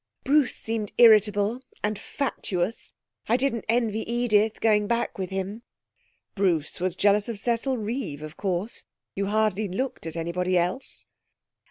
Bruce seemed irritable, and fatuous. I didn't envy Edith going back with him.' 'Bruce was jealous of Cecil Reeve, of course. You hardly looked at anybody else.'